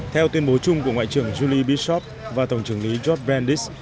theo tuyên bố chung của ngoại trưởng julie bishop và tổng trưởng lý george vandis